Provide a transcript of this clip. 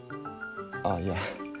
ああいや